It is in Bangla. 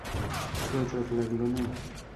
একটুও চোট লাগলো না!